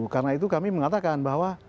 karena itu kami mengatakan bahwa